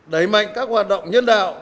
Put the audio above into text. đẩy mạnh các hoạt động nhân đạo